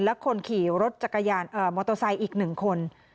และคนขี่รถจักรยานมอเตอร์ไซค์อีก๑คน